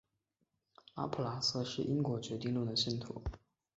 拉普拉斯是因果决定论的信徒。